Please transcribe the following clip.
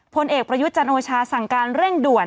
พลเอกประยุจจันโอชทรายังสั่งการเร่งด่วน